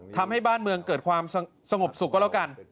ทำให้บ้านเมืองเกิดความสงบสุขก็แล้วกัน